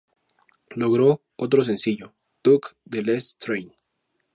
Logró otro sencillo, "Took The Last Train".